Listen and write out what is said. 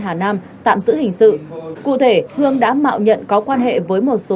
hà nam tạm giữ hình sự cụ thể hương đã mạo nhận có quan hệ với một số